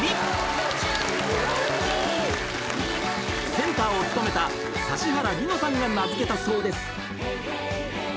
［センターを務めた指原莉乃さんが名付けたそうです］